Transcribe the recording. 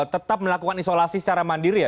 tetap melakukan isolasi secara mandiri ya